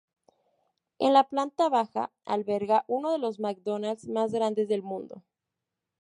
En la planta baja alberga uno de los McDonald's más grandes del mundo.